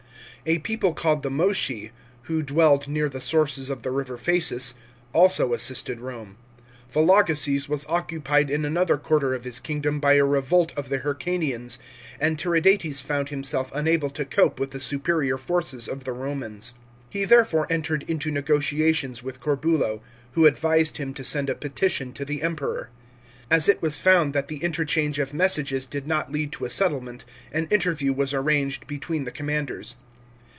A people called the Moschi, who dwelled near the sources of the river Phasis, also assisted Borne. Vologeses was occupied in another quarter of his kingdom by a revolt of the Hyrcanians, and Tiridates found himself unable to cope with the superior forces of the Bomans. He therefore entered into negotia tions with Corbulo, who advised him to send a petition to the Emperor. As it was found that the interchange of messages did not lead to a settlement, an interview was arranged between the commanders.